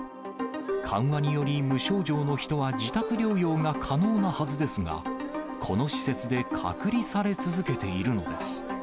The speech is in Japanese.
緩和により無症状の人は自宅療養が可能なはずですが、この施設で隔離され続けているのです。